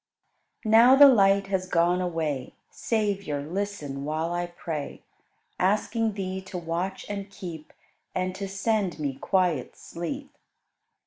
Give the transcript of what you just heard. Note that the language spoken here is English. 22. Now the light has gone away; Savior, listen while I pray. Asking Thee to watch and keep And to send me quiet sleep.